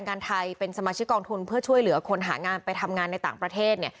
การไทยเป็นสมาชิกกองทุนเพื่อช่วยเหลือคนหางานไปทำงานในต่างประเทศเนี่ย